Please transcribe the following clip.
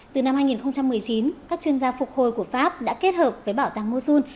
từ năm hai nghìn một mươi chín các chuyên gia phục hồi của pháp đã kết hợp với bảo tàng mosun